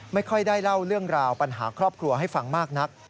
ไม่ค่อยได้เล่าเรื่องราวปัญหาครอบครัวให้ฟังมากนัก